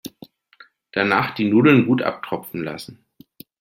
Danach die Nudeln gut abtropfen lassen.